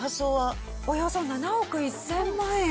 およそ７億１０００万円。